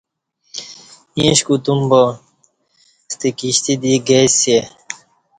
ایݩݜ کوتوم با ستہ کِشتی دی گئی سئے